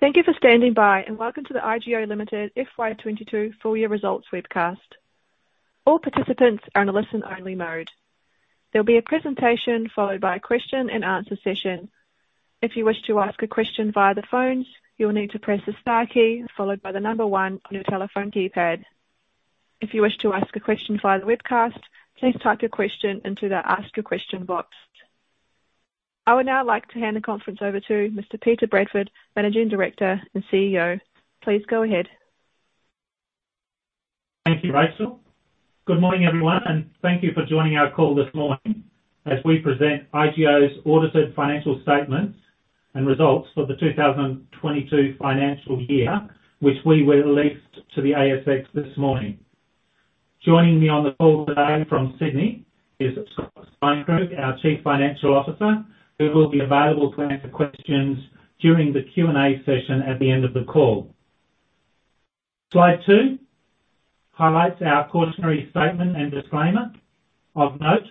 Thank you for standing by, and welcome to the IGO Limited FY 22 Full Year Results Webcast. All participants are in a listen-only mode. There'll be a presentation followed by a question-and-answer session. If you wish to ask a question via the phones, you will need to press the star key followed by the number one on your telephone keypad. If you wish to ask a question via the webcast, please type your question into the ask a question box. I would now like to hand the conference over to Mr. Peter Bradford, Managing Director and CEO. Please go ahead. Thank you, Rachel. Good morning, everyone, and thank you for joining our call this morning as we present IGO's audited financial statements and results for the 2022 financial year, which we released to the ASX this morning. Joining me on the call today from Sydney is Scott Steinkrug, our Chief Financial Officer, who will be available to answer questions during the Q&A session at the end of the call. Slide two highlights our cautionary statement and disclaimer. Of note,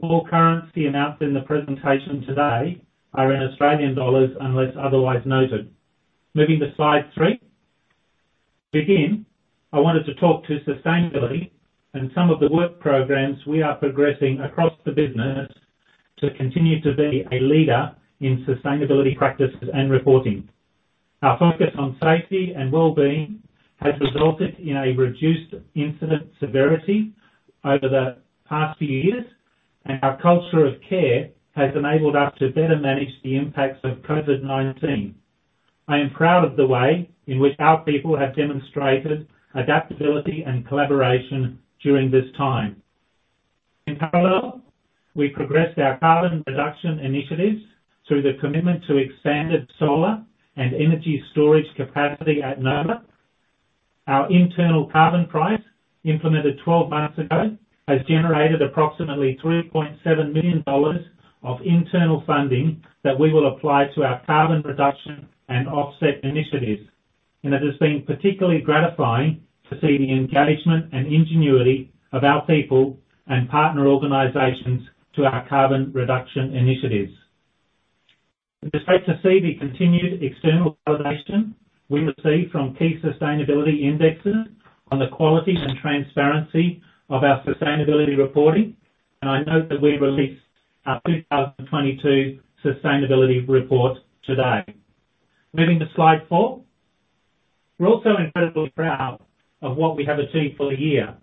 all currency amounts in the presentation today are in Australian dollars, unless otherwise noted. Moving to slide three. To begin, I wanted to talk to sustainability and some of the work programs we are progressing across the business to continue to be a leader in sustainability practices and reporting. Our focus on safety and well-being has resulted in a reduced incident severity over the past few years, and our culture of care has enabled us to better manage the impacts of COVID-19. I am proud of the way in which our people have demonstrated adaptability and collaboration during this time. In parallel, we progressed our carbon reduction initiatives through the commitment to expanded solar and energy storage capacity at Nova. Our internal carbon price, implemented 12 months ago, has generated approximately 3.7 million dollars of internal funding that we will apply to our carbon reduction and offset initiatives. It has been particularly gratifying to see the engagement and ingenuity of our people and partner organizations to our carbon reduction initiatives. We're pleased to see the continued external validation we receive from key sustainability indexes on the quality and transparency of our sustainability reporting. I note that we released our 2022 sustainability report today. Moving to slide four. We're also incredibly proud of what we have achieved for the year.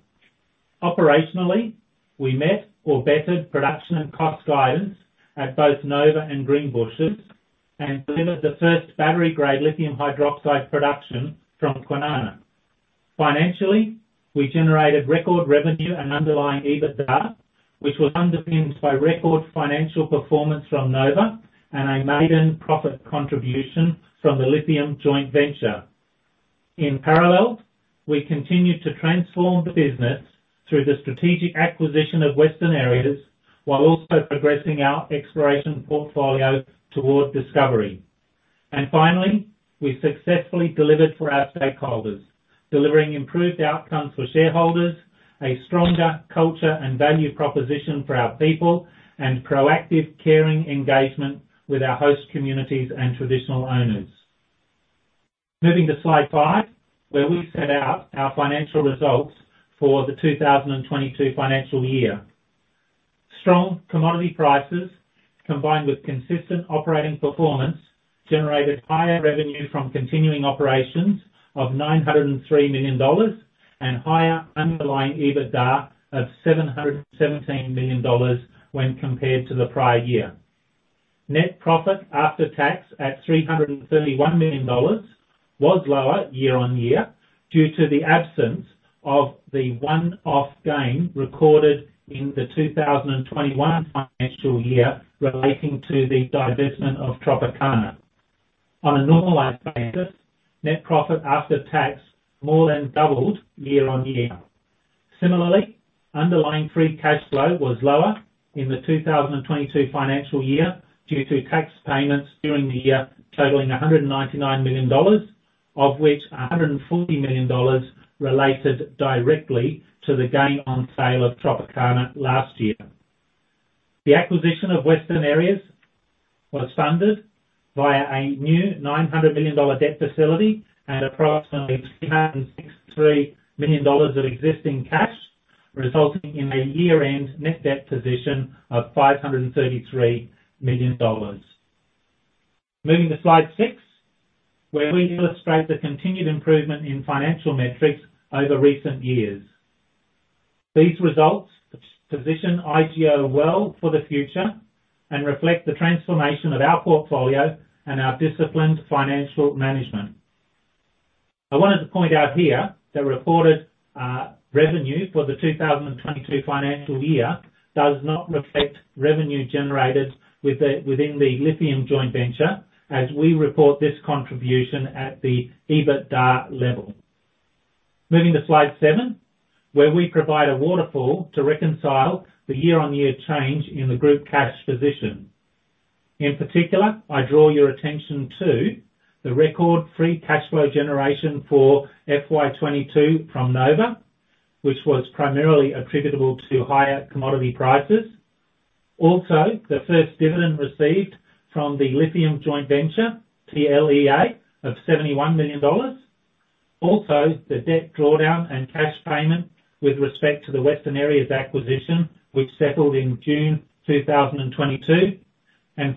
Operationally, we met or bettered production and cost guidance at both Nova and Greenbushes and delivered the first battery-grade lithium hydroxide production from Kwinana. Financially, we generated record revenue and underlying EBITDA, which was underpinned by record financial performance from Nova and a maiden profit contribution from the lithium joint venture. In parallel, we continued to transform the business through the strategic acquisition of Western Areas while also progressing our exploration portfolio toward discovery. Finally, we successfully delivered for our stakeholders, delivering improved outcomes for shareholders, a stronger culture and value proposition for our people, and proactive caring engagement with our host communities and traditional owners. Moving to slide five, where we set out our financial results for the 2022 financial year. Strong commodity prices, combined with consistent operating performance, generated higher revenue from continuing operations of 903 million dollars and higher underlying EBITDA of 717 million dollars when compared to the prior year. Net profit after tax at 331 million dollars was lower year on year due to the absence of the one-off gain recorded in the 2021 financial year relating to the divestment of Tropicana. On a normalized basis, net profit after tax more than doubled year on year. Similarly, underlying free cash flow was lower in the 2022 financial year due to tax payments during the year, totaling 199 million dollars, of which 140 million dollars related directly to the gain on sale of Tropicana last year. The acquisition of Western Areas was funded by a new 900 million dollar debt facility and approximately 263 million dollars of existing cash, resulting in a year-end net debt position of 533 million dollars. Moving to slide six, where we illustrate the continued improvement in financial metrics over recent years. These results position IGO well for the future and reflect the transformation of our portfolio and our disciplined financial management. I wanted to point out here the reported revenue for the 2022 financial year does not reflect revenue generated within the lithium joint venture as we report this contribution at the EBITDA level. Moving to slide seven, where we provide a waterfall to reconcile the year-on-year change in the group cash position. In particular, I draw your attention to the record free cash flow generation for FY 2022 from Nova, which was primarily attributable to higher commodity prices. Also, the first dividend received from the lithium joint venture, TLEA, of 71 million dollars. Also, the debt drawdown and cash payment with respect to the Western Areas acquisition, which settled in June 2022.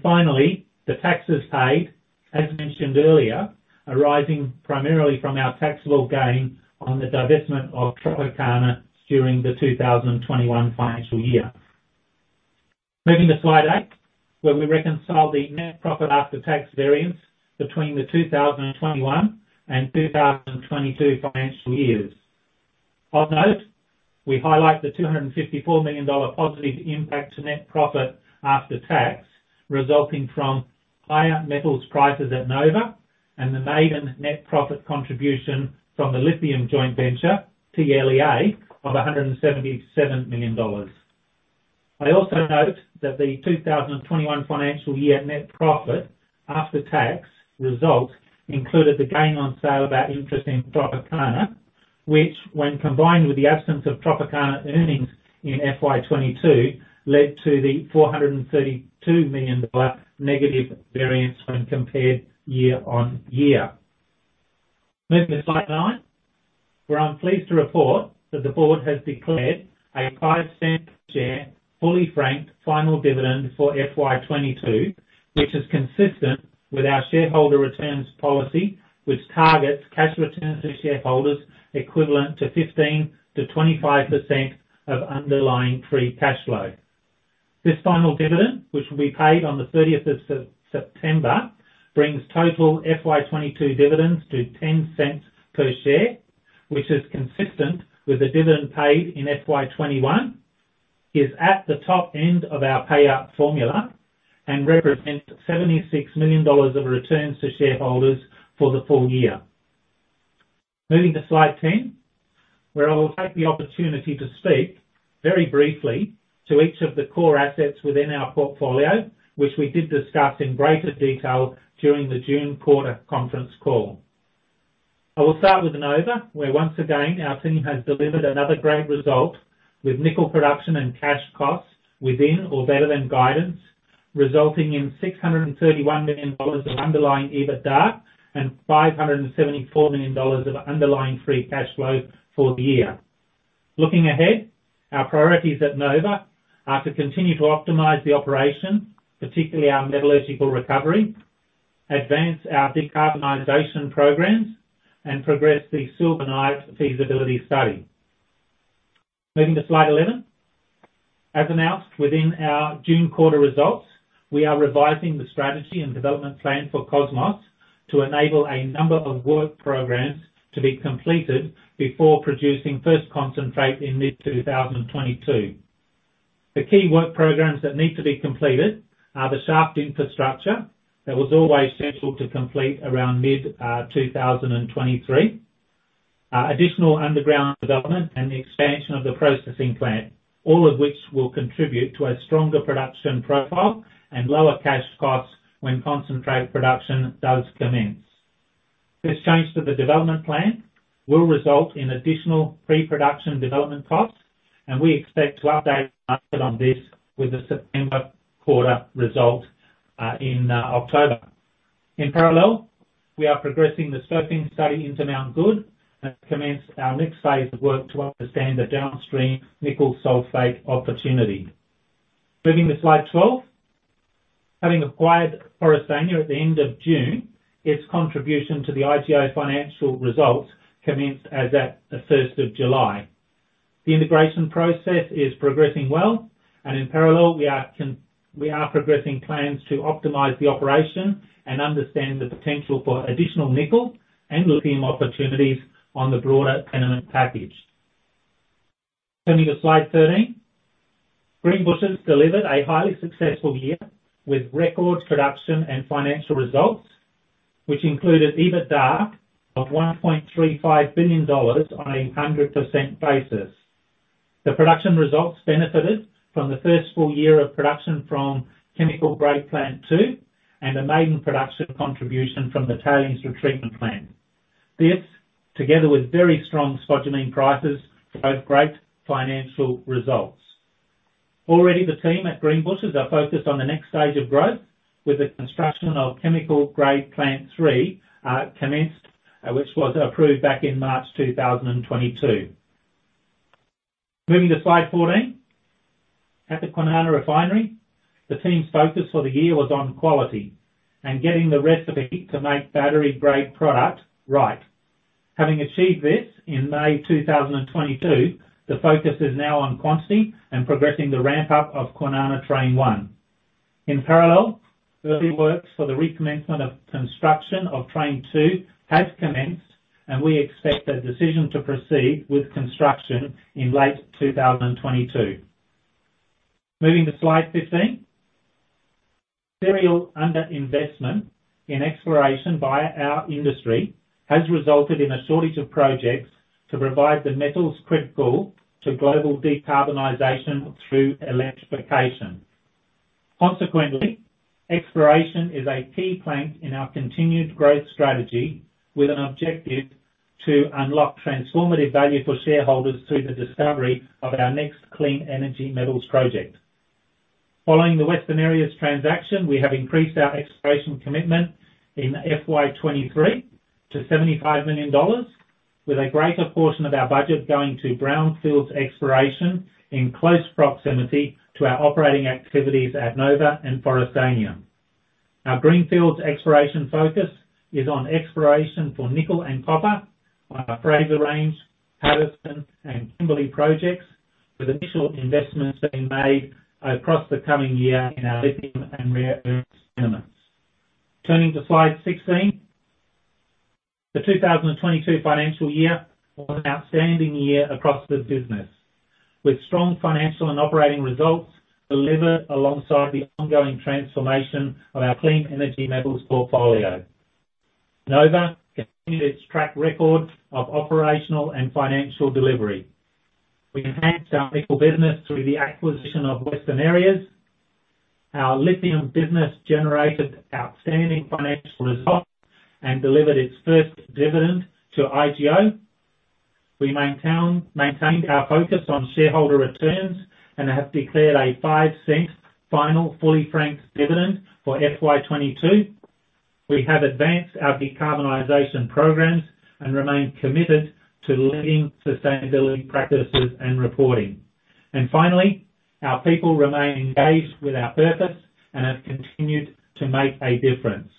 Finally, the taxes paid, as mentioned earlier, arising primarily from our taxable gain on the divestment of Tropicana during the 2021 financial year. Moving to slide eight, where we reconcile the net profit after tax variance between the 2021 and 2022 financial years. Of note, we highlight the 254 million dollar positive impact to net profit after tax, resulting from higher metals prices at Nova and the maiden net profit contribution from the lithium joint venture, TLEA, of 177 million dollars. I also note that the 2021 financial year net profit after tax result included the gain on sale of our interest in Tropicana, which when combined with the absence of Tropicana earnings in FY 2022, led to the 432 million dollar negative variance when compared year-over-year. Moving to slide nine, where I'm pleased to report that the board has declared a 0.05 Per share, fully franked, final dividend for FY 2022, which is consistent with our shareholder returns policy, which targets cash returns to shareholders equivalent to 15%-25% of underlying free cash flow. This final dividend, which will be paid on the September 30th, brings total FY 2022 dividends to 0.10 Per share, which is consistent with the dividend paid in FY 2021, is at the top end of our payout formula and represents 76 million dollars of returns to shareholders for the full year. Moving to slide ten, where I will take the opportunity to speak very briefly to each of the core assets within our portfolio, which we did discuss in greater detail during the June quarter conference call. I will start with Nova, where once again, our team has delivered another great result with nickel production and cash costs within or better than guidance, resulting in 631 million dollars of underlying EBITDA and 574 million dollars of underlying free cash flow for the year. Looking ahead, our priorities at Nova are to continue to optimize the operation, particularly our metallurgical recovery, advance our decarbonization programs, and progress the sulphide feasibility study. Moving to slide 11. As announced within our June quarter results, we are revising the strategy and development plan for Cosmos to enable a number of work programs to be completed before producing first concentrate in mid-2022. The key work programs that need to be completed are the shaft infrastructure that was always central to complete around mid 2023, additional underground development and the expansion of the processing plant, all of which will contribute to a stronger production profile and lower cash costs when concentrate production does commence. This change to the development plan will result in additional pre-production development costs, and we expect to update the market on this with the September quarter result in October. In parallel, we are progressing the scoping study into Mt Goode and commence our next phase of work to understand the downstream nickel sulfate opportunity. Moving to slide 12. Having acquired Forrestania at the end of June, its contribution to the IGO financial results commenced as at the first of July. The integration process is progressing well, and in parallel, we are progressing plans to optimize the operation and understand the potential for additional nickel and lithium opportunities on the broader tenement package. Coming to slide 13. Greenbushes delivered a highly successful year with record production and financial results, which included EBITDA of 1.35 billion dollars on a 100% basis. The production results benefited from the first full year of production from chemical grade plant two and a maiden production contribution from the tailings retreatment plant. This, together with very strong spodumene prices, drove great financial results. Already the team at Greenbushes are focused on the next stage of growth with the construction of chemical grade plant three, commenced, which was approved back in March 2022. Moving to slide 14. At the Kwinana Refinery, the team's focus for the year was on quality and getting the recipe to make battery-grade product right. Having achieved this in May 2022, the focus is now on quantity and progressing the ramp up of Kwinana Train 1. In parallel, early works for the recommencement of construction of train two has commenced, and we expect a decision to proceed with construction in late 2022. Moving to slide 15. Serial underinvestment in exploration via our industry has resulted in a shortage of projects to provide the metals critical to global decarbonization through electrification. Consequently, exploration is a key plank in our continued growth strategy, with an objective to unlock transformative value for shareholders through the discovery of our next clean energy metals project. Following the Western Areas transaction, we have increased our exploration commitment in FY 2023 to AUD 75 million, with a greater portion of our budget going to brownfields exploration in close proximity to our operating activities at Nova and Forrestania. Our greenfields exploration focus is on exploration for nickel and copper on our Fraser Range, Paterson, and Kimberley projects, with initial investments being made across the coming year in our lithium and rare earth elements. Turning to slide 16, the 2022 financial year was an outstanding year across the business, with strong financial and operating results delivered alongside the ongoing transformation of our clean energy metals portfolio. Nova continued its track record of operational and financial delivery. We enhanced our nickel business through the acquisition of Western Areas. Our lithium business generated outstanding financial results and delivered its first dividend to IGO. We maintained our focus on shareholder returns and have declared a 0.05 final fully franked dividend for FY 2022. We have advanced our decarbonization programs and remain committed to leading sustainability practices and reporting. Finally, our people remain engaged with our purpose and have continued to make a difference.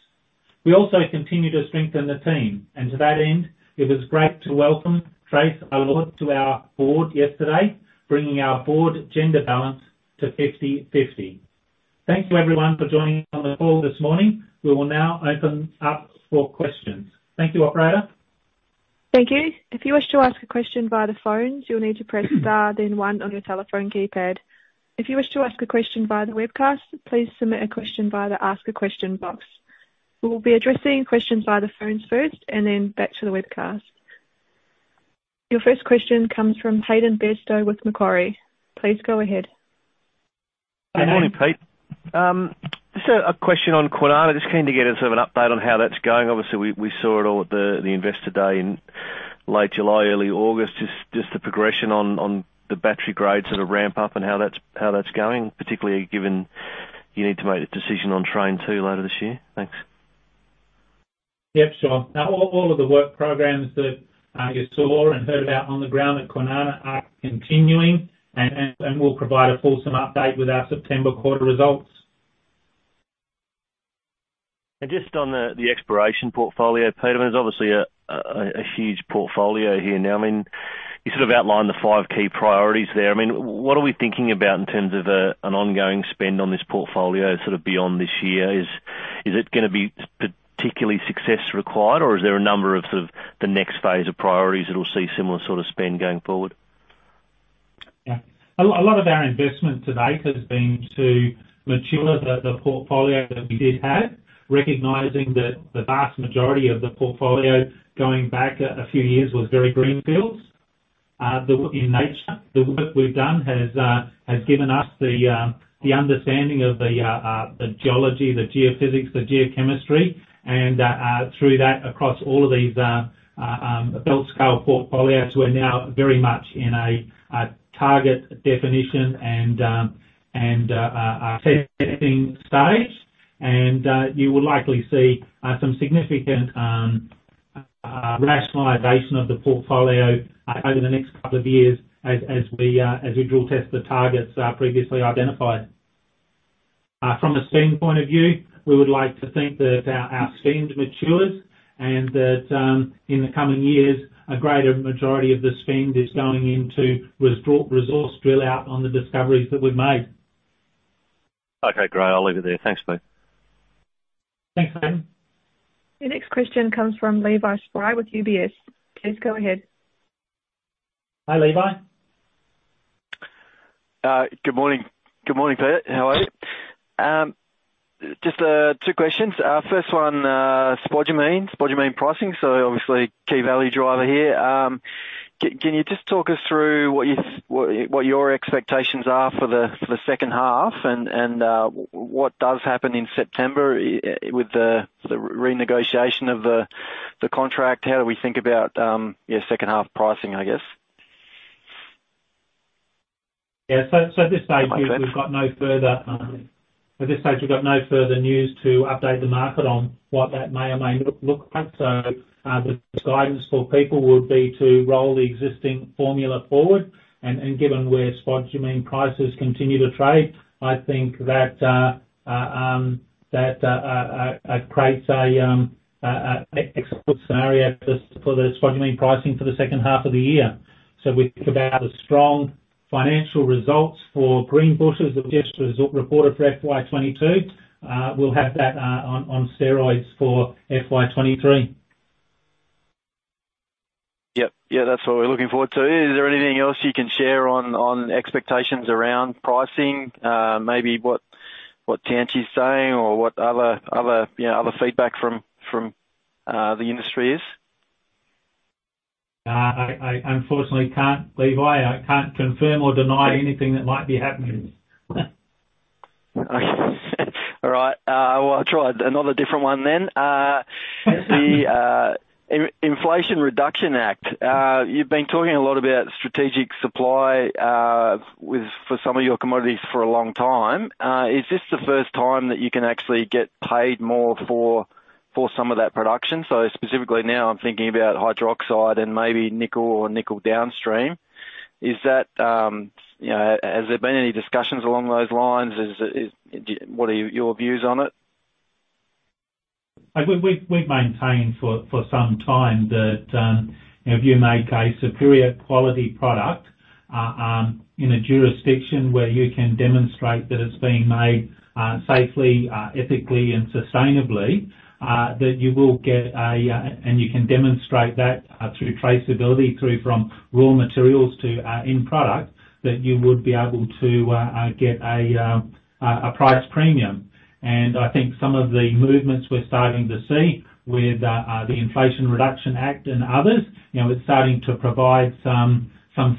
We also continue to strengthen the team, and to that end, it was great to welcome Tracey Arlaud to our board yesterday, bringing our board gender balance to 50/50. Thank you everyone for joining on the call this morning. We will now open up for questions. Thank you, operator. Thank you. If you wish to ask a question via the phones, you'll need to press star, then one on your telephone keypad. If you wish to ask a question via the webcast, please submit a question via the Ask a Question box. We will be addressing questions via the phones first and then back to the webcast. Your first question comes from Hayden Bairstow with Macquarie. Please go ahead. Good morning, Pete. Just a question on Kwinana. Just keen to get a sort of an update on how that's going. Obviously we saw it all at the investor day in late July, early August. Just the progression on the battery grade sort of ramp up and how that's going. Particularly given you need to make a decision on train two later this year. Thanks. Yep, sure. Now all of the work programs that you saw and heard about on the ground at Kwinana are continuing and we'll provide a fulsome update with our September quarter results. Just on the exploration portfolio, Peter. I mean, it's obviously a huge portfolio here now. I mean, you sort of outlined the five key priorities there. I mean, what are we thinking about in terms of an ongoing spend on this portfolio sort of beyond this year? Is it gonna be particularly success-driven, or is there a number of sort of the next phase of priorities that will see similar sort of spend going forward? Yeah. A lot of our investment to date has been to mature the portfolio that we did have. Recognizing that the vast majority of the portfolio going back a few years was very greenfields in nature. The work we've done has given us the understanding of the geology, the geophysics, the geochemistry, and through that, across all of these belt-scale portfolios, we're now very much in a target definition and a testing stage. You will likely see some significant rationalization of the portfolio over the next couple of years as we drill test the targets previously identified. From a spend point of view, we would like to think that our spend matures and that in the coming years, a greater majority of the spend is going into resource drill out on the discoveries that we made. Okay, great. I'll leave it there. Thanks, Pete. Thanks, Hayden. Your next question comes from Levi Spry with UBS. Please go ahead. Hi, Levi. Good morning. Good morning, Pete. How are you? Just two questions. First one, spodumene pricing. Obviously key value driver here. Can you just talk us through what your expectations are for the second half and what does happen in September with the renegotiation of the contract? How do we think about your second half pricing, I guess? Yeah. At this stage. If that makes sense. At this stage, we've got no further news to update the market on what that may or may not look like. The guidance for people would be to roll the existing formula forward. Given where spodumene prices continue to trade, I think that creates an export scenario for the spodumene pricing for the second half of the year. If we think about the strong financial results for Greenbushes that we just reported for FY 2022, we'll have that on steroids for FY 2023. Yep. Yeah, that's what we're looking forward to. Is there anything else you can share on expectations around pricing? Maybe what Tianqi's saying or what other, you know, other feedback from the industry is? I unfortunately can't, Levi. I can't confirm or deny anything that might be happening. All right. Well, I'll try another different one then. The Inflation Reduction Act. You've been talking a lot about strategic supply with for some of your commodities for a long time. Is this the first time that you can actually get paid more for some of that production? Specifically now I'm thinking about hydroxide and maybe nickel or nickel downstream. Is that, you know, has there been any discussions along those lines? What are your views on it? I mean, we've maintained for some time that, you know, if you make a superior quality product in a jurisdiction where you can demonstrate that it's being made safely, ethically and sustainably, that you will get a price premium. You can demonstrate that through traceability from raw materials to end product, that you would be able to get a price premium. I think some of the movements we're starting to see with the Inflation Reduction Act and others, you know, is starting to provide some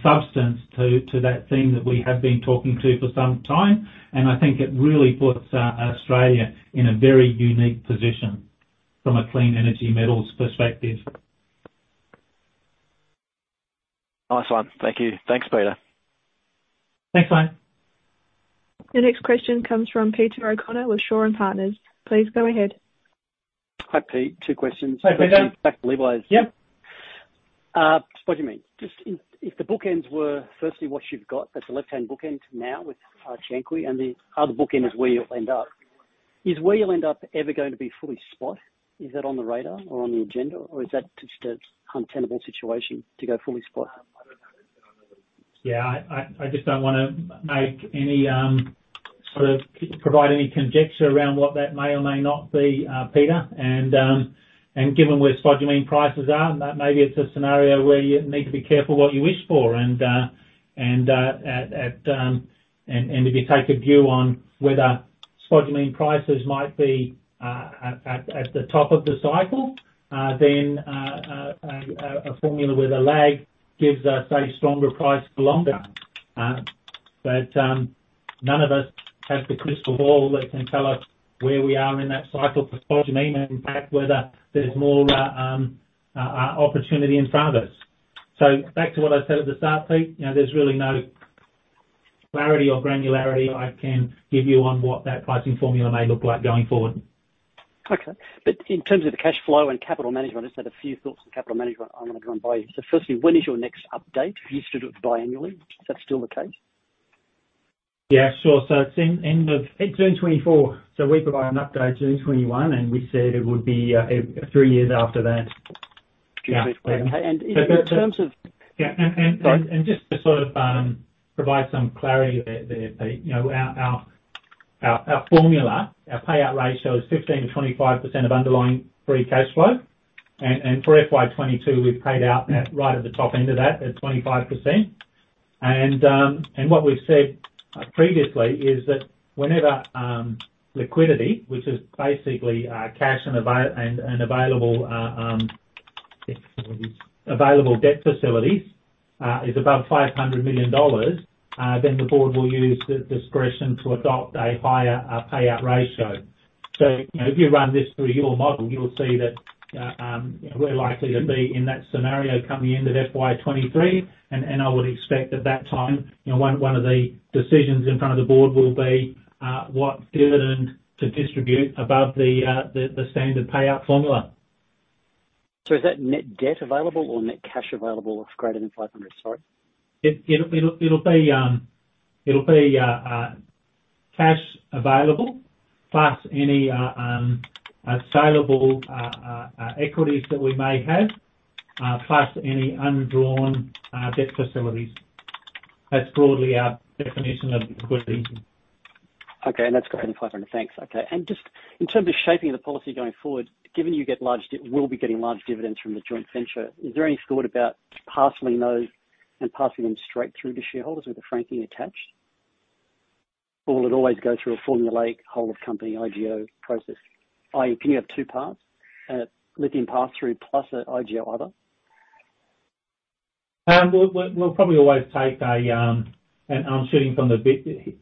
substance to that theme that we have been talking about for some time. I think it really puts Australia in a very unique position from a clean energy metals perspective. Nice one. Thank you. Thanks, Peter. Thanks, mate. Your next question comes from Peter O'Connor with Shaw and Partners. Please go ahead. Hi, Pete. Two questions. Hey, Peter. Back to Levi's. Yeah. Spodumene. Just if the bookends were firstly what you've got at the left-hand bookends now with Tianqi and the other bookend is where you'll end up ever going to be fully spot? Is that on the radar or on the agenda, or is that just an untenable situation to go fully spot? Yeah, I just don't wanna make any sort of provide any conjecture around what that may or may not be, Peter. Given where spodumene prices are, that may be it's a scenario where you need to be careful what you wish for. If you take a view on whether spodumene prices might be at the top of the cycle, then a formula where the lag gives us a stronger price for longer. None of us have the crystal ball that can tell us where we are in that cycle for spodumene, and in fact whether there's more opportunity in front of us. Back to what I said at the start, Pete, you know, there's really no clarity or granularity I can give you on what that pricing formula may look like going forward. Okay. In terms of the cash flow and capital management, I just had a few thoughts on capital management I wanna run by you. Firstly, when is your next update? You used to do it biannually. Is that still the case? Yeah, sure. It's end of June 2024. We provide an update June 2021, and we said it would be three years after that. June 2024. Okay. Yeah. In terms of Yeah. Sorry. Just to sort of provide some clarity there, Pete, you know, our formula, our payout ratio is 15%-25% of underlying free cash flow. For FY 2022, we've paid out at right at the top end of that at 25%. What we've said previously is that whenever liquidity, which is basically cash and available debt facilities, is above 500 million dollars, then the board will use the discretion to adopt a higher payout ratio. You know, if you run this through your model, you'll see that we're likely to be in that scenario coming into FY 2023. I would expect at that time, you know, one of the decisions in front of the board will be what dividend to distribute above the standard payout formula. Is that net debt available or net cash available of greater than 500? Sorry. It'll be cash available, plus any saleable equities that we may have, plus any undrawn debt facilities. That's broadly our definition of liquidity. Okay. That's greater than 500. Thanks. Okay. Just in terms of shaping the policy going forward, given you will be getting large dividends from the joint venture, is there any thought about parceling those and passing them straight through to shareholders with the franking attached? Or will it always go through a formulaic whole of company IGO process, i.e., can you have two parts, lithium pass through plus a IGO other? We'll probably always take, and I'm shooting from the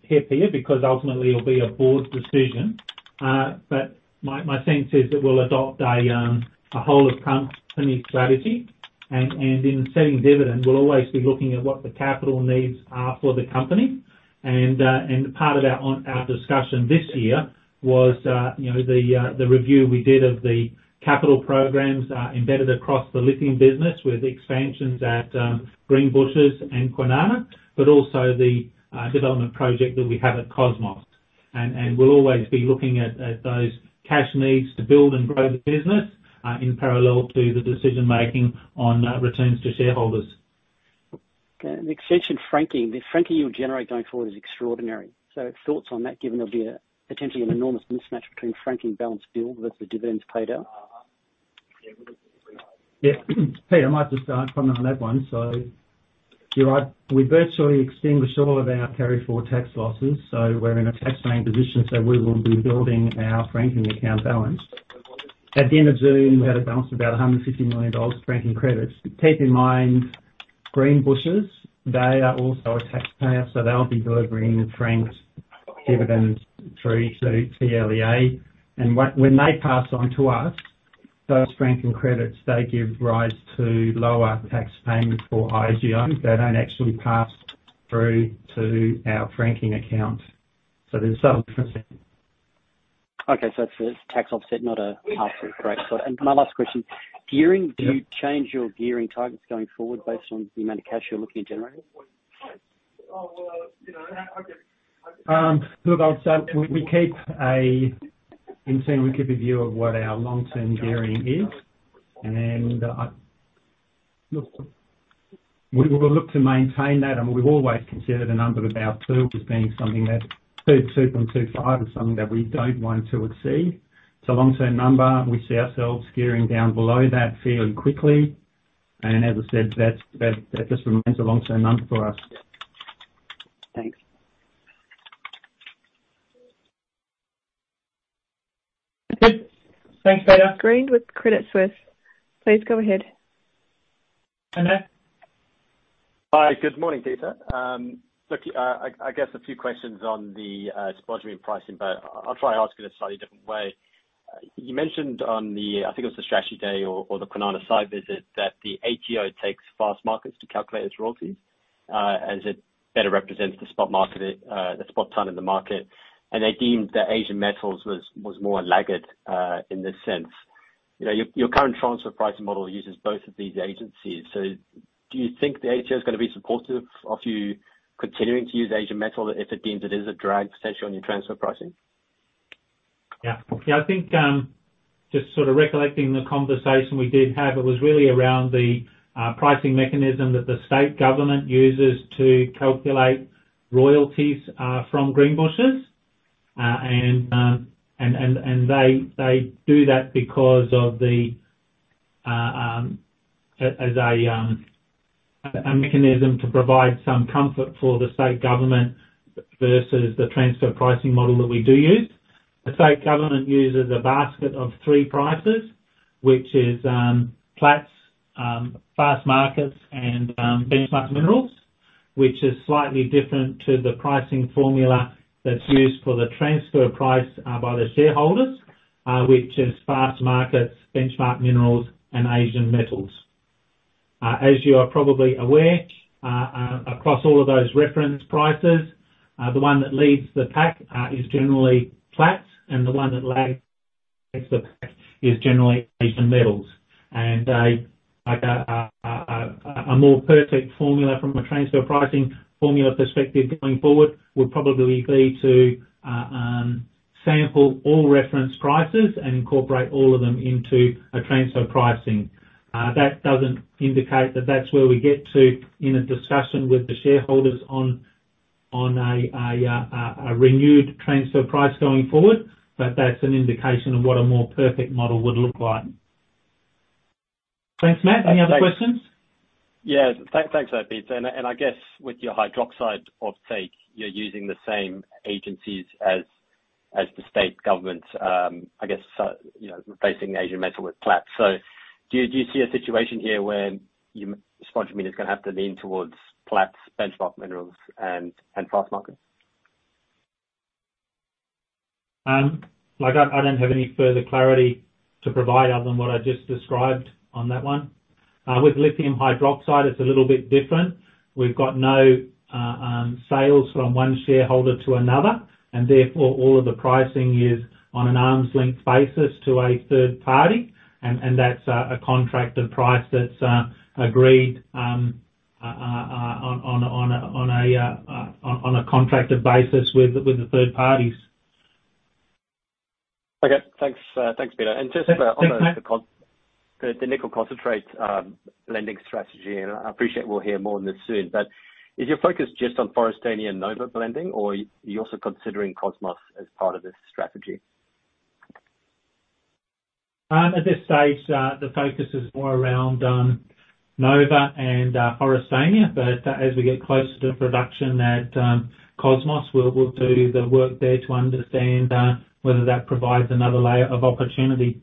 hip here, because ultimately it'll be a board decision. My sense is that we'll adopt a whole of company strategy. In setting dividend, we'll always be looking at what the capital needs are for the company. Part of that on our discussion this year was, you know, the review we did of the capital programs embedded across the lithium business with expansions at Greenbushes and Kwinana, but also the development project that we have at Cosmos. We'll always be looking at those cash needs to build and grow the business in parallel to the decision-making on returns to shareholders. Okay. The extension franking. The franking you'll generate going forward is extraordinary. Thoughts on that, given there'll be potentially an enormous mismatch between franking balance built with the dividends paid out. Yeah. Pete, I might just comment on that one. You're right. We virtually extinguished all of our carry-forward tax losses, so we're in a tax-free position, so we will be building our franking account balance. At the end of June, we had a balance of about 150 million dollars franking credits. Keep in mind, Greenbushes, they are also a taxpayer, so they'll be delivering the franked dividends through to TLEA. When they pass on to us, those franking credits, they give rise to lower tax payments for IGO. They don't actually pass through to our franking account. So there's some difference there. Okay. It's tax offset, not a pass through. Great. My last question. Gearing. Yep. Do you change your gearing targets going forward based on the amount of cash you're looking at generating? Look, I'll start. We keep a view of what our long-term gearing is, and look, we will look to maintain that, and we've always considered a number of about two as being something that two-2.25 is something that we don't want to exceed. It's a long-term number, and we see ourselves gearing down below that fairly quickly. As I said, that just remains a long-term number for us. Thanks. That's it. Thanks, Peter. Saul Kavonic with Credit Suisse. Please go ahead. Hi, there. Hi. Good morning, Peter. Look, I guess a few questions on the spodumene pricing, but I'll try to ask it a slightly different way. You mentioned on the, I think it was the strategy day or the Kwinana site visit, that the ATO takes Fastmarkets to calculate its royalties, as it better represents the spot market, the spot ton in the market. They deemed that Asian Metal was more laggard in this sense. You know, your current transfer pricing model uses both of these agencies. Do you think the ATO is gonna be supportive of you continuing to use Asian Metal if it deems it is a drag potentially on your transfer pricing? Yeah. Yeah, I think just sort of recollecting the conversation we did have, it was really around the pricing mechanism that the state government uses to calculate royalties from Greenbushes. They do that as a mechanism to provide some comfort for the state government versus the transfer pricing model that we do use. The state government uses a basket of three prices, which is Platts, Fastmarkets, and Benchmark Minerals, which is slightly different to the pricing formula that's used for the transfer price by the shareholders, which is Fastmarkets, Benchmark Minerals and Asian Metal. As you are probably aware, across all of those reference prices, the one that leads the pack is generally Platts, and the one that lags the pack is generally Asian Metal. Like a more perfect formula from a transfer pricing formula perspective going forward would probably be to sample all reference prices and incorporate all of them into a transfer pricing. That doesn't indicate that that's where we get to in a discussion with the shareholders on a renewed transfer price going forward, but that's an indication of what a more perfect model would look like. Thanks, mate. Any other questions? Yeah. Thanks for that, Peter. I guess with your hydroxide off-take, you're using the same agencies as the state government, I guess, so, you know, replacing Asian Metal with Platts. Do you see a situation here where your spodumene is gonna have to lean towards Platts, Benchmark Minerals and Fastmarkets? Like, I don't have any further clarity to provide other than what I just described on that one. With lithium hydroxide, it's a little bit different. We've got no sales from one shareholder to another, and therefore all of the pricing is on an arm's length basis to a third party. That's a contracted price that's agreed on a contracted basis with the third parties. Okay. Thanks, Peter. Thanks, mate. Just on the nickel concentrate, lending strategy, and I appreciate we'll hear more on this soon, but is your focus just on Forrestania and Nova blending, or you also considering Cosmos as part of this strategy? At this stage, the focus is more around Nova and Forrestania. As we get closer to production at Cosmos, we'll do the work there to understand whether that provides another layer of opportunity.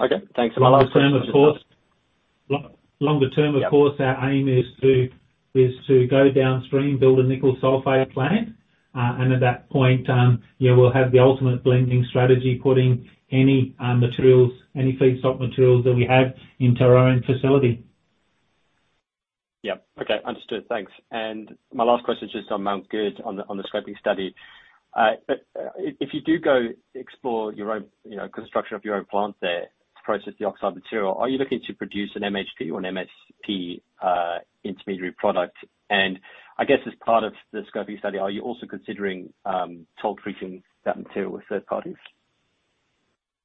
Okay. Thanks a lot. Longer term, of course, our aim is to go downstream, build a nickel sulfate plant. At that point, we'll have the ultimate blending strategy, putting any materials, any feedstock materials that we have into our own facility. Yeah. Okay. Understood. Thanks. My last question, just on Mt Goode, on the scoping study. If you do go explore your own, you know, construction of your own plant there to process the oxide material, are you looking to produce an MHP or an MSP intermediary product? I guess as part of the scoping study, are you also considering toll treating that material with third parties?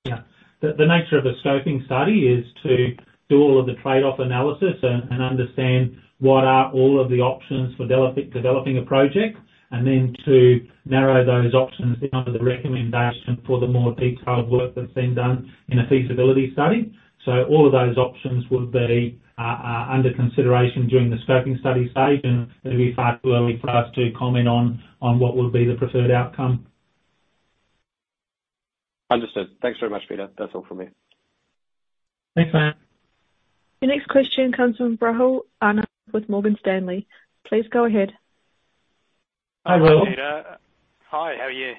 Yeah. The nature of a scoping study is to do all of the trade-off analysis and understand what are all of the options for developing a project, and then to narrow those options down to the recommendation for the more detailed work that's being done in a feasibility study. All of those options would be under consideration during the scoping study stage, and it'll be far too early for us to comment on what would be the preferred outcome. Understood. Thanks very much, Peter. That's all from me. Thanks, man. Your next question comes from Rahul Anand with Morgan Stanley. Please go ahead. Hi, Rahul. Hi, Peter. Hi, how are you?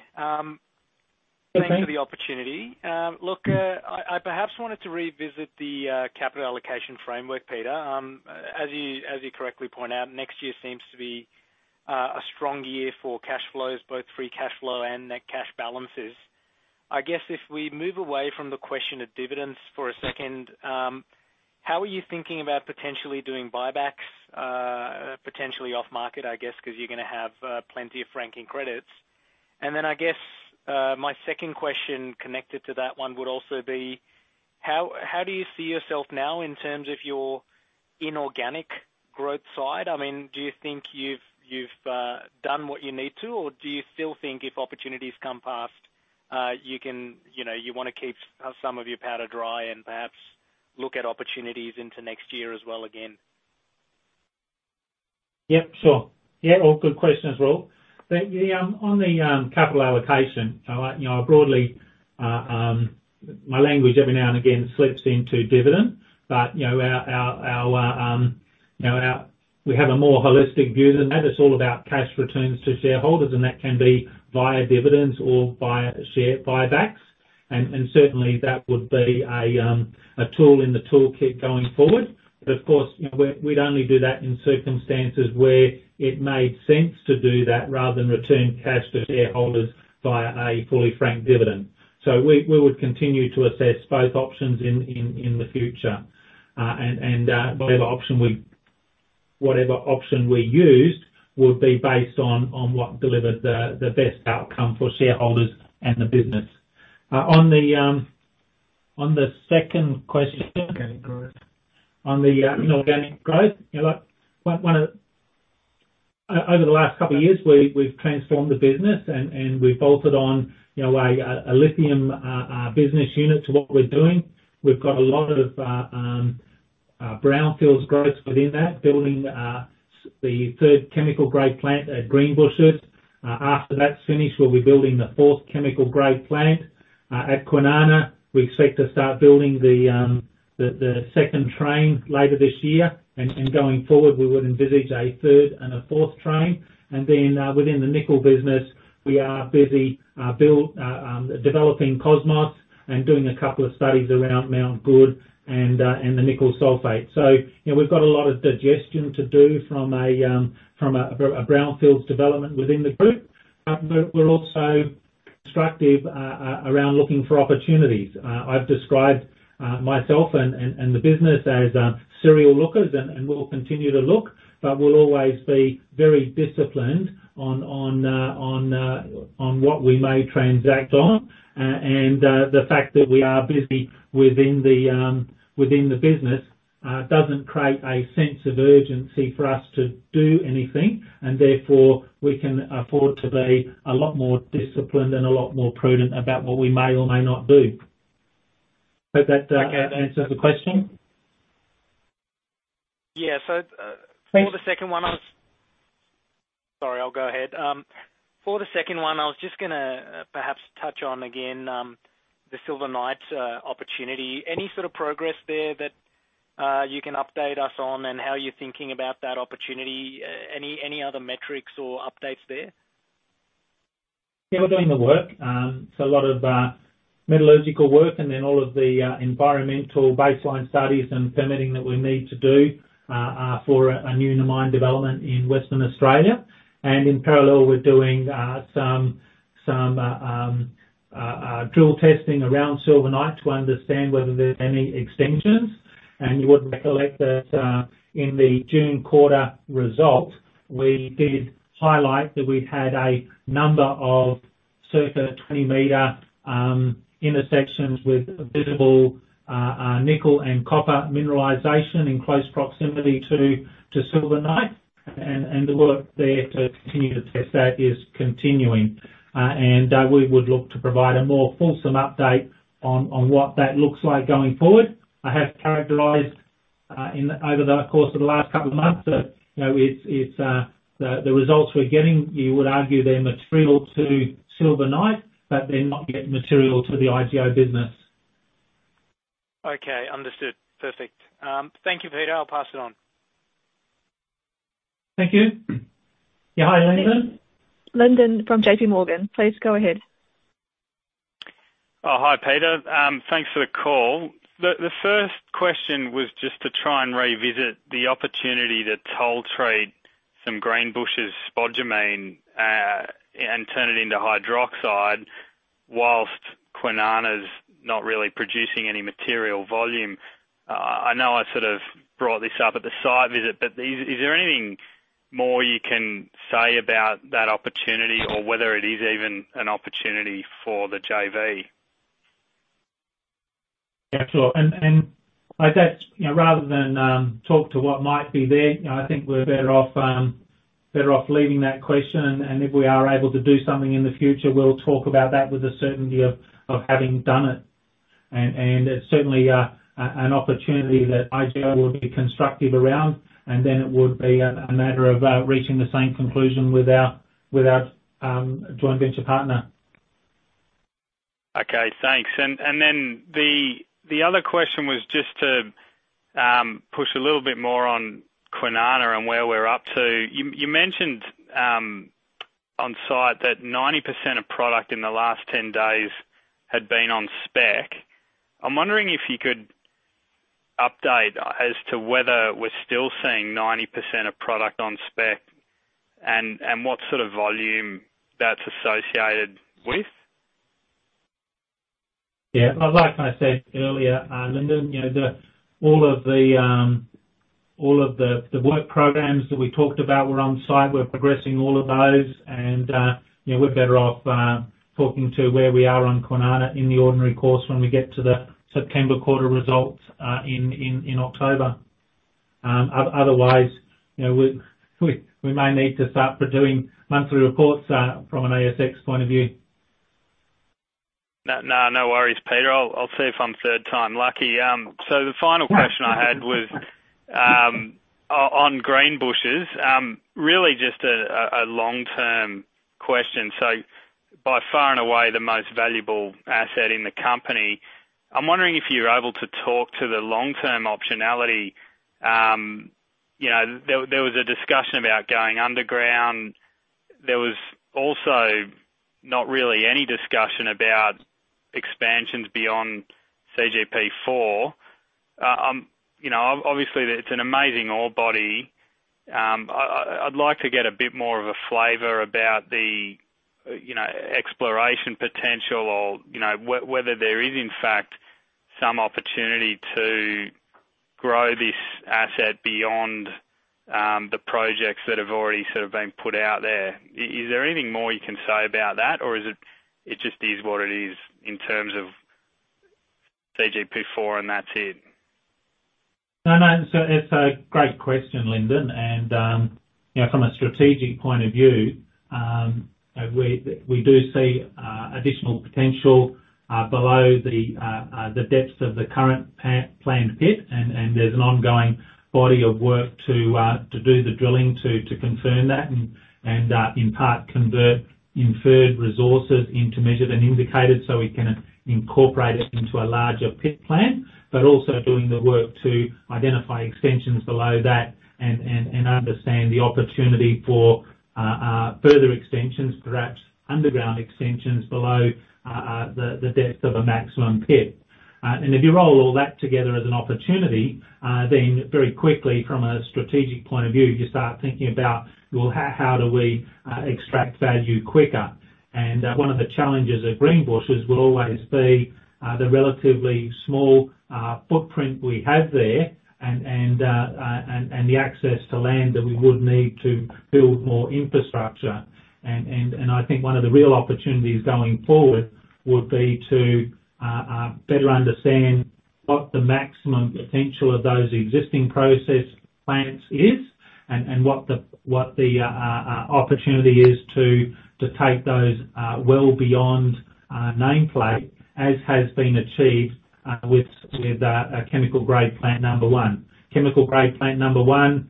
Okay. Thanks for the opportunity. Look, I perhaps wanted to revisit the capital allocation framework, Peter. As you correctly point out, next year seems to be a strong year for cash flows, both free cash flow and net cash balances. I guess if we move away from the question of dividends for a second, how are you thinking about potentially doing buybacks, potentially off market, I guess, because you're gonna have plenty of franking credits. I guess my second question connected to that one would also be how do you see yourself now in terms of your inorganic growth side? I mean, do you think you've done what you need to, or do you still think if opportunities come past, you can, you know, you wanna keep some of your powder dry and perhaps look at opportunities into next year as well again? Yeah, sure. Yeah, all good questions, Rahul. On the capital allocation, you know, broadly, my language every now and again slips into dividend, but you know, our. We have a more holistic view than that. It's all about cash returns to shareholders, and that can be via dividends or via share buybacks. Certainly that would be a tool in the toolkit going forward. But of course, we'd only do that in circumstances where it made sense to do that rather than return cash to shareholders via a fully franked dividend. We would continue to assess both options in the future. Whatever option we used would be based on what delivered the best outcome for shareholders and the business. On the second question on inorganic growth. Over the last couple of years, we've transformed the business and we've bolted on, you know, a lithium business unit to what we're doing. We've got a lot of brownfields growth within that, building the third chemical grade plant at Greenbushes. After that's finished, we'll be building the fourth chemical grade plant at Kwinana. We expect to start building the second train later this year. Going forward, we would envisage a third and a fourth train. Then, within the nickel business, we are busy developing Cosmos and doing a couple of studies around Mt Goode and the nickel sulfate. You know, we've got a lot of digestion to do from a brownfields development within the group. We're also constructive around looking for opportunities. I've described myself and the business as serial lookers, and we'll continue to look, but we'll always be very disciplined on what we may transact on. The fact that we are busy within the business doesn't create a sense of urgency for us to do anything. Therefore, we can afford to be a lot more disciplined and a lot more prudent about what we may or may not do. Hope that answers the question. Yeah. Thanks. Sorry, I'll go ahead. For the second one, I was just gonna perhaps touch on again the Silver Knight opportunity. Any sort of progress there that you can update us on and how you're thinking about that opportunity? Any other metrics or updates there? Yeah, we're doing the work. So a lot of metallurgical work and then all of the environmental baseline studies and permitting that we need to do for a new mine development in Western Australia. In parallel, we're doing some drill testing around Silver Knight to understand whether there's any extensions. You would recollect that in the June quarter result, we did highlight that we've had a number of surface 20-m intersections with visible nickel and copper mineralization in close proximity to Silver Knight. The work there to continue to test that is continuing. We would look to provide a more fulsome update on what that looks like going forward. I have characterized over the course of the last couple of months that, you know, it's the results we're getting, you would argue they're material to Silver Knight, but they're not yet material to the IGO business. Okay. Understood. Perfect. Thank you, Peter. I'll pass it on. Thank you. Yeah. Hi, Lyndon. Lyndon from JPMorgan, please go ahead. Oh, hi, Peter. Thanks for the call. The first question was just to try and revisit the opportunity to toll trade some Greenbushes spodumene, and turn it into hydroxide while Kwinana's not really producing any material volume. I know I sort of brought this up at the site visit, but is there anything more you can say about that opportunity or whether it is even an opportunity for the JV? Yeah, sure. I guess, you know, rather than talk to what might be there, you know, I think we're better off leaving that question, and if we are able to do something in the future, we'll talk about that with the certainty of having done it. It's certainly an opportunity that IGO will be constructive around, and then it would be a matter of reaching the same conclusion with our joint venture partner. Okay, thanks. The other question was just to push a little bit more on Kwinana and where we're up to. You mentioned on site that 90% of product in the last 10 days had been on spec. I'm wondering if you could update as to whether we're still seeing 90% of product on spec and what sort of volume that's associated with. Yeah. Like I said earlier, Lyndon, you know, all of the work programs that we talked about were on site. We're progressing all of those and, you know, we're better off talking to where we are on Kwinana in the ordinary course when we get to the September quarter results, in October. Otherwise, you know, we may need to start producing monthly reports from an ASX point of view. No, no worries, Peter. I'll see if I'm third time lucky. The final question I had was on Greenbushes. Really just a long-term question. By far and away, the most valuable asset in the company. I'm wondering if you're able to talk to the long-term optionality. You know, there was a discussion about going underground. There was also not really any discussion about expansions beyond CGP 4. You know, obviously it's an amazing ore body. I'd like to get a bit more of a flavor about the, you know, exploration potential or, you know, whether there is, in fact, some opportunity to grow this asset beyond the projects that have already sort of been put out there. Is there anything more you can say about that, or is it just what it is in terms of CGP 4, and that's it? No, no. It's a great question, Lyndon. You know, from a strategic point of view, we do see additional potential below the depths of the current planned pit, and there's an ongoing body of work to do the drilling to confirm that and in part convert inferred resources into measured and indicated, so we can incorporate it into a larger pit plan. Also doing the work to identify extensions below that and understand the opportunity for further extensions, perhaps underground extensions below the depth of a maximum pit. If you roll all that together as an opportunity, then very quickly from a strategic point of view, you start thinking about, "Well, how do we extract value quicker?" One of the challenges at Greenbushes will always be the relatively small footprint we have there and the access to land that we would need to build more infrastructure. I think one of the real opportunities going forward would be to better understand what the maximum potential of those existing process plants is, and what the opportunity is to take those well beyond nameplate, as has been achieved with a chemical grade plant number one. Chemical grade plant number one,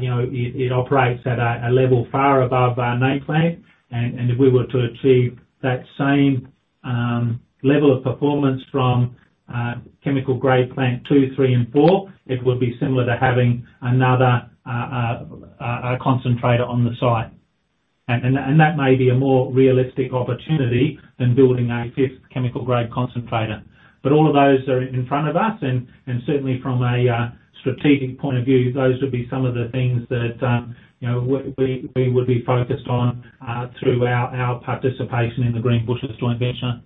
you know, it operates at a level far above our nameplate. If we were to achieve that same level of performance from chemical grade plant two, three, and four, it would be similar to having another concentrator on the site. That may be a more realistic opportunity than building a fifth chemical grade concentrator. All of those are in front of us. Certainly from a strategic point of view, those would be some of the things that, you know, we would be focused on through our participation in the Greenbushes joint venture.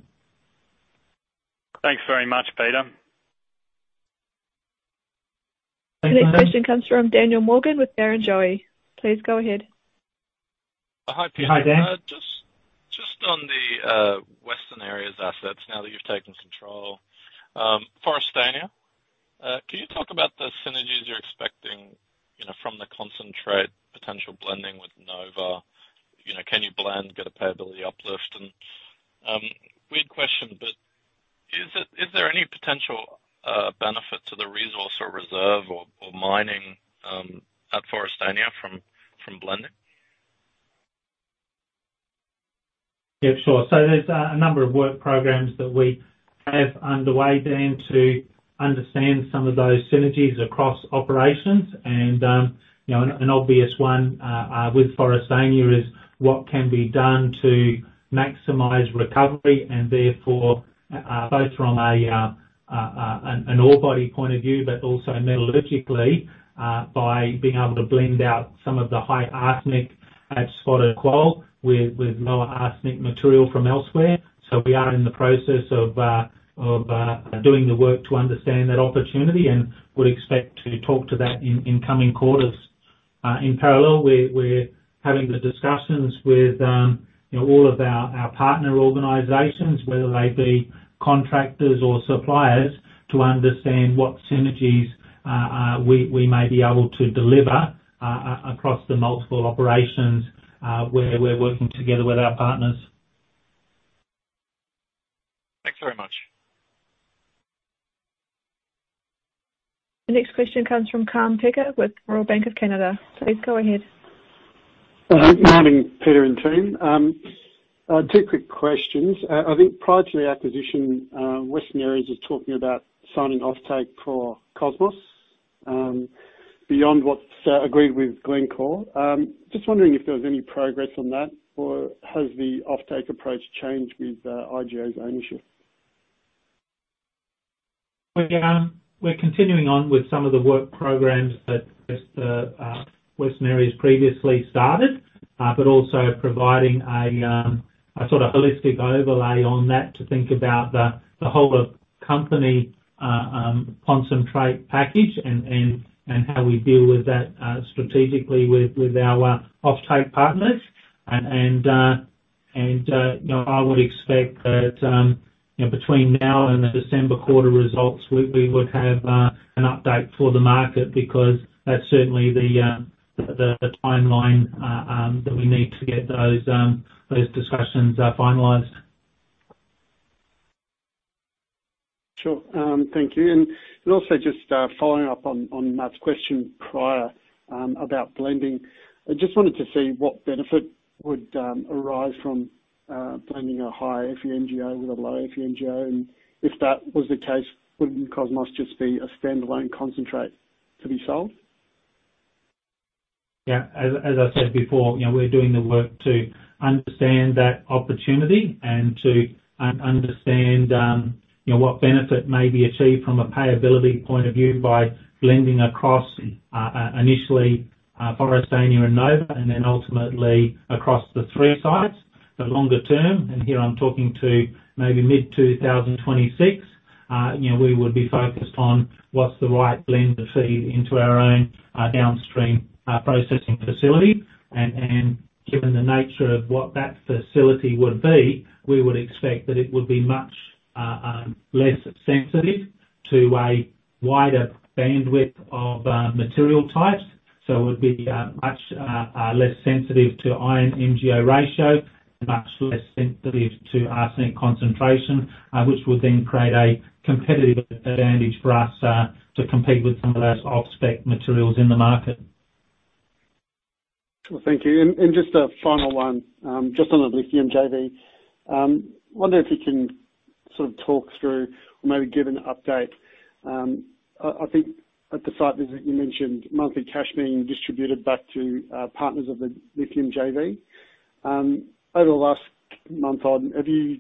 Thanks very much, Peter. Thanks, Lyndon. The next question comes from Daniel Morgan with Barrenjoey. Please go ahead. Hi, Peter. Hi, Dan. Just on the Western Areas assets, now that you've taken control, Forrestania, can you talk about the synergies you're expecting, you know, from the concentrate potential blending with Nova? You know, can you blend, get a payability uplift? Weird question, but is there any potential benefit to the resource or reserve or mining at Forrestania from blending? Yeah, sure. There's a number of work programs that we have underway, Dan, to understand some of those synergies across operations. You know, an obvious one with Forrestania is what can be done to maximize recovery, and therefore, both from an ore body point of view, but also metallurgically, by being able to blend out some of the high arsenic at Spotted Quoll with lower arsenic material from elsewhere. We are in the process of doing the work to understand that opportunity and would expect to talk to that in coming quarters. In parallel, we're having the discussions with you know, all of our partner organizations, whether they be contractors or suppliers, to understand what synergies we may be able to deliver across the multiple operations, where we're working together with our partners. Thanks very much. The next question comes from Kaan Peker with Royal Bank of Canada. Please go ahead. Good morning, Peter and team. Two quick questions. I think prior to the acquisition, Western Areas was talking about signing offtake for Cosmos, beyond what's agreed with Glencore. Just wondering if there was any progress on that, or has the offtake approach changed with IGO's ownership? Well, yeah. We're continuing on with some of the work programs that Western Areas previously started, but also providing a sort of holistic overlay on that to think about the whole of company concentrate package and how we deal with that strategically with our offtake partners. You know, I would expect that, you know, between now and the December quarter results, we would have an update for the market because that's certainly the timeline that we need to get those discussions finalized. Sure. Thank you. Also just following up on Matt's question prior about blending. I just wanted to see what benefit would arise from blending a high Fe:MgO with a low Fe:MgO. If that was the case, wouldn't Cosmos just be a stand-alone concentrate to be sold? As I said before, you know, we're doing the work to understand that opportunity and to understand, you know, what benefit may be achieved from a payability point of view by blending across, initially, Forrestania and Nova, and then ultimately across the three sites for longer term. Here I'm talking to maybe mid-2026, you know, we would be focused on what's the right blend to feed into our own, downstream, processing facility. Given the nature of what that facility would be, we would expect that it would be much, less sensitive to a wider bandwidth of, material types. It would be much less sensitive to Fe:MgO ratio, much less sensitive to arsenic concentration, which would then create a competitive advantage for us to compete with some of those off-spec materials in the market. Well, thank you. Just a final one, just on the lithium JV. Wondering if you can sort of talk through or maybe give an update. I think at the site visit you mentioned monthly cash being distributed back to partners of the lithium JV. Over the last month, have you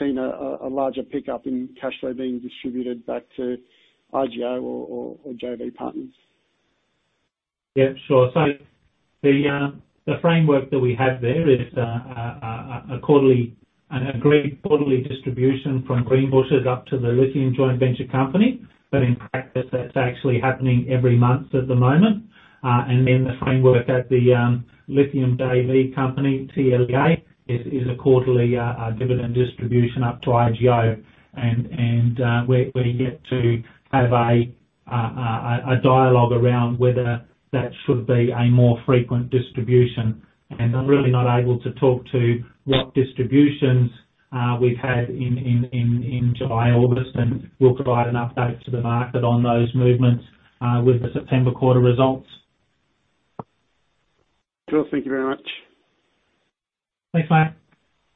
seen a larger pickup in cash flow being distributed back to IGO or JV partners? Yeah, sure. The framework that we have there is an agreed quarterly distribution from Greenbushes up to the lithium joint venture company. But in practice, that's actually happening every month at the moment. And then the framework at the lithium JV company, TLEA, is a quarterly dividend distribution up to IGO. We're yet to have a dialogue around whether that should be a more frequent distribution. I'm really not able to talk to what distributions we've had in July, August, and we'll provide an update to the market on those movements with the September quarter results. Cool. Thank you very much. Thanks, mate.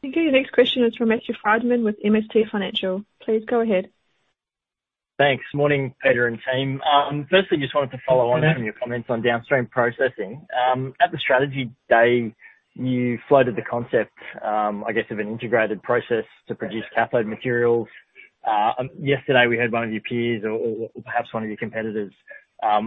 Thank you. The next question is from Matthew Frydman with MST Financial. Please go ahead. Thanks. Morning, Peter and team. Firstly, just wanted to follow on from your comments on downstream processing. At the strategy day, you floated the concept, I guess, of an integrated process to produce cathode materials. Yesterday, we had one of your peers, or perhaps one of your competitors,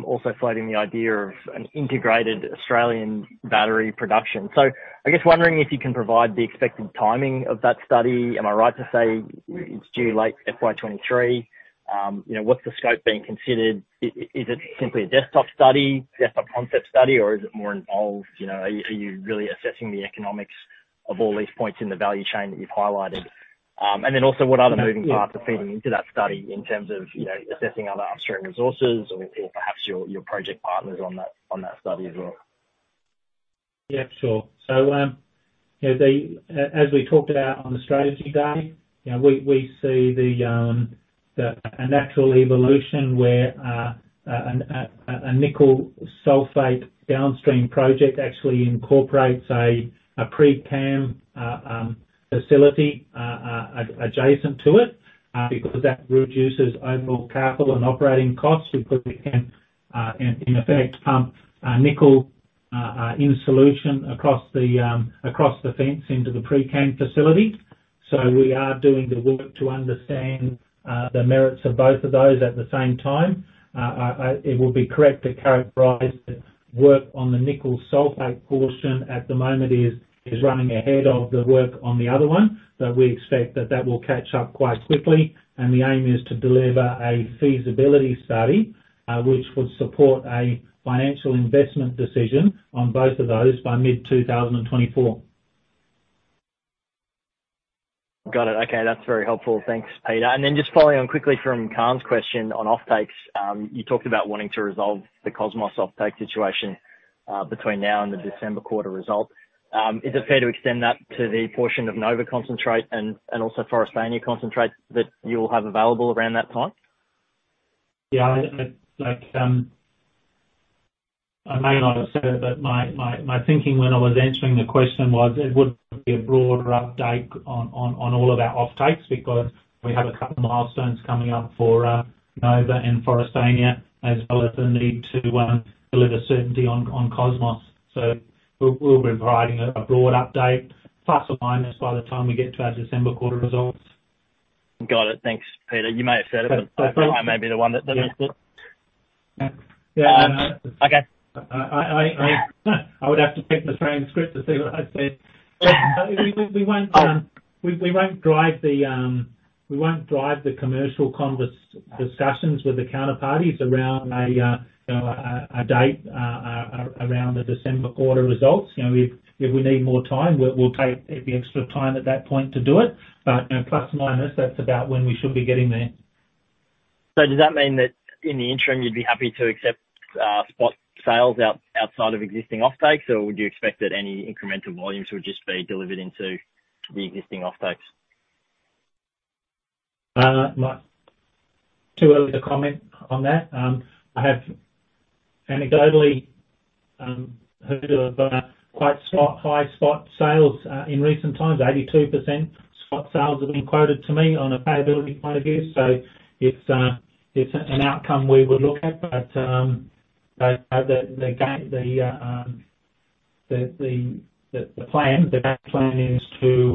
also floating the idea of an integrated Australian battery production. I guess wondering if you can provide the expected timing of that study. Am I right to say it's due late FY 2023? You know, what's the scope being considered? Is it simply a desktop study, desktop concept study, or is it more involved? You know, are you really assessing the economics of all these points in the value chain that you've highlighted? What other moving parts are feeding into that study in terms of, you know, assessing other upstream resources or perhaps your project partners on that study as well? Yeah, sure. As we talked about on the strategy day, you know, we see a natural evolution where a nickel sulfate downstream project actually incorporates a pCAM facility adjacent to it, because that reduces overall capital and operating costs. We put the CAM in effect nickel in solution across the fence into the pCAM facility. We are doing the work to understand the merits of both of those at the same time. It would be correct to characterize the work on the nickel sulfate portion at the moment is running ahead of the work on the other one. We expect that will catch up quite quickly, and the aim is to deliver a feasibility study, which would support a financial investment decision on both of those by mid-2024. Got it. Okay, that's very helpful. Thanks, Peter. Just following on quickly from Kaan's question on offtakes. You talked about wanting to resolve the Cosmos offtake situation between now and the December quarter result. Is it fair to extend that to the portion of Nova concentrate and also Forrestania concentrate that you will have available around that time? Yeah. I may not have said it, but my thinking when I was answering the question was it would be a broader update on all of our offtakes because we have a couple of milestones coming up for Nova and Forrestania, as well as the need to deliver certainty on Cosmos. We'll be providing a broad update plus or minus by the time we get to our December quarter results. Got it. Thanks, Peter. You may have said it, but I may be the one that missed it. Yeah. Okay. I would have to check the transcript to see what I said. We won't drive the commercial discussions with the counterparties around, you know, a date around the December quarter results. You know, if we need more time, we'll take the extra time at that point to do it. You know, plus minus, that's about when we should be getting there. Does that mean that in the interim you'd be happy to accept spot sales outside of existing offtakes, or would you expect that any incremental volumes would just be delivered into the existing offtakes? Too early to comment on that. I have anecdotally heard of quite spot high spot sales in recent times. 82% spot sales have been quoted to me on a payability point of view. It's an outcome we would look at, but the best plan is to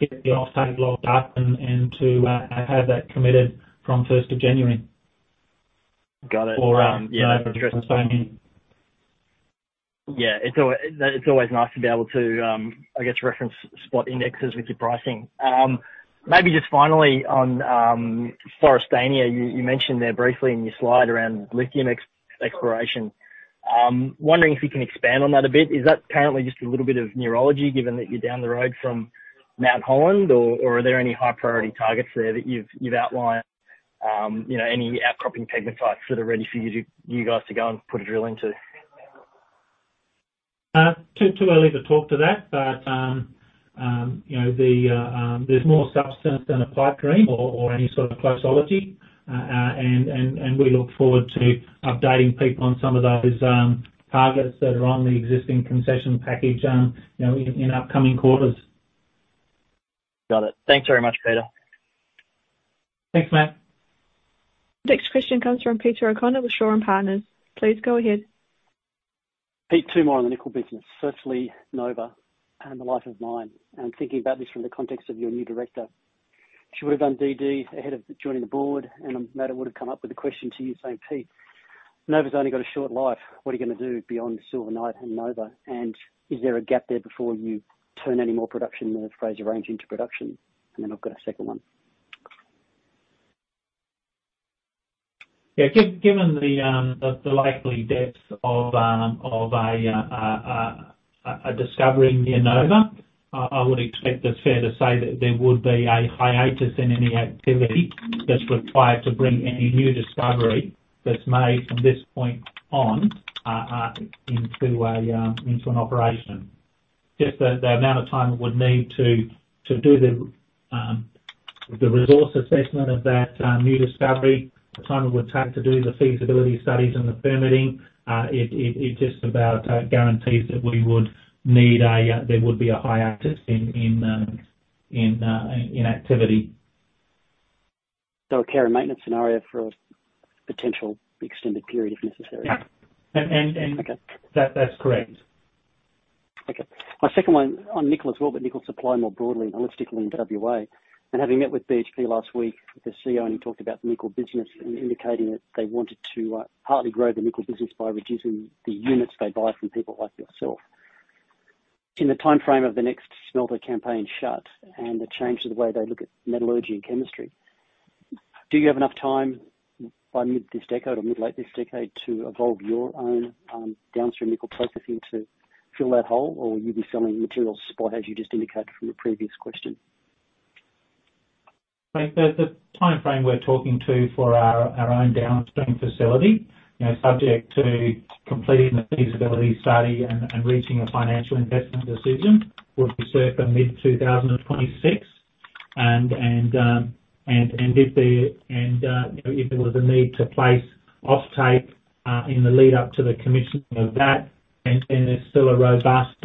get the offtake locked up and to have that committed from January 1st. Got it. For, um- Yeah. Nova and Forrestania. Yeah. It's always nice to be able to, I guess, reference spot indexes with your pricing. Maybe just finally on Forrestania. You mentioned there briefly in your slide around lithium exploration. Wondering if you can expand on that a bit. Is that currently just a little bit of geology given that you're down the road from Mt Holland or are there any high priority targets there that you've outlined? You know, any outcropping pegmatites that are ready for you guys to go and put a drill into? Too early to talk to that. You know, there's more substance than a pipe dream or any sort of geology. We look forward to updating people on some of those targets that are on the existing concession package, you know, in upcoming quarters. Got it. Thanks very much, Peter. Thanks, mate. Next question comes from Peter O'Connor with Shaw and Partners. Please go ahead. Pete, two more on the nickel business. Firstly, Nova and the life of mine. I'm thinking about this from the context of your new director. She would have done DD ahead of joining the board, and Matt would have come up with a question to you saying, "Pete, Nova's only got a short life. What are you gonna do beyond Silver Knight and Nova? And is there a gap there before you turn any more production in the Fraser Range into production?" I've got a second one. Yeah. Given the likely depth of a discovery near Nova, I would expect it's fair to say that there would be a hiatus in any activity that's required to bring any new discovery that's made from this point on into an operation. Just the amount of time it would need to do the resource assessment of that new discovery, the time it would take to do the feasibility studies and the permitting, it just about guarantees that there would be a hiatus in activity. A care and maintenance scenario for a potential extended period if necessary. Yeah. Okay. That's correct. Okay. My second one on nickel as well, but nickel supply more broadly and holistically in WA. Having met with BHP last week, with their CEO, and he talked about the nickel business and indicating that they wanted to partly grow the nickel business by reducing the units they buy from people like yourself. In the timeframe of the next smelter campaign shut and the change to the way they look at metallurgy and chemistry. Do you have enough time by mid this decade or mid, late this decade to evolve your own downstream nickel processing to fill that hole? Or you'll be selling materials spot as you just indicated from the previous question? Like, the timeframe we're talking about for our own downstream facility, you know, subject to completing the feasibility study and reaching a financial investment decision, would be circa mid-2026. If there was a need to place offtake in the lead-up to the commissioning of that, and there's still a robust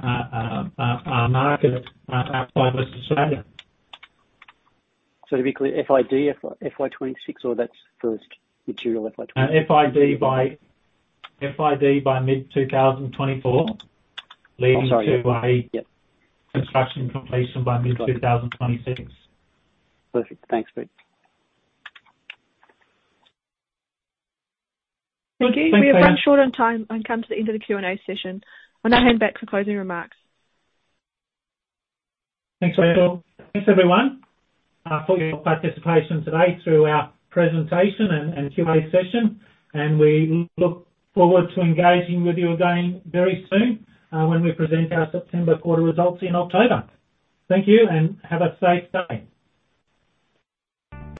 market outside Western Australia. To be clear, FID FY 2026 or that's first material FY 2026? FID by mid-2024. I'm sorry. Leading to a- Yep. Construction completion by mid 2026. Perfect. Thanks, Pete. Thank you. Thanks. We've run short on time and come to the end of the Q&A session. I'll now hand back for closing remarks. Thanks, Rachel. Thanks, everyone, for your participation today through our presentation and Q&A session. We look forward to engaging with you again very soon, when we present our September quarter results in October. Thank you, and have a safe day.